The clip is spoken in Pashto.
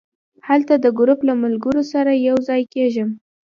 هلته د ګروپ له ملګرو سره یو ځای کېږم.